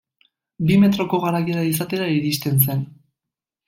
Bi metroko garaiera izatera iristen zen.